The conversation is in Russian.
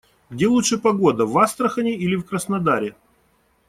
Где лучше погода - в Астрахани или в Краснодаре?